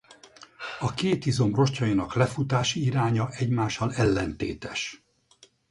A két izom rostjainak lefutási iránya egymással ellentétes!